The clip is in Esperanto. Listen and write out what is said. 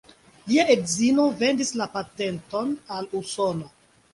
Lia edzino vendis la patenton al usona.